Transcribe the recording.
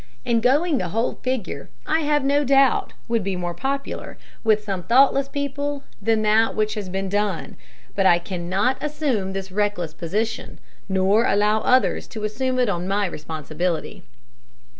And going the whole figure, I have no doubt, would be more popular, with some thoughtless people, than that which has been done! But I cannot assume this reckless position, nor allow others to assume it on my responsibility.